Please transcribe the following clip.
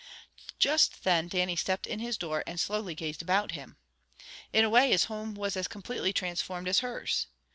Just then Dannie stepped in his door, and slowly gazed about him. In a way his home was as completely transformed as hers.